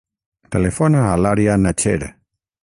Telefona a l'Ària Nacher.